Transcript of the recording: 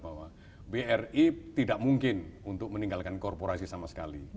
bahwa bri tidak mungkin untuk meninggalkan korporasi sama sekali